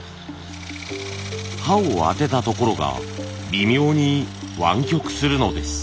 刃を当てた所が微妙に湾曲するのです。